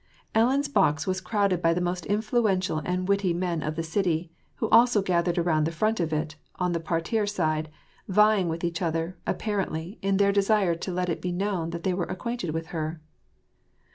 Ellen's box was crowded by the most influential and witty men of the city, who also gathered around the front of it, on the parterre side, vying with each other, apparently, in their desire to let it be known that they were acquainted with her.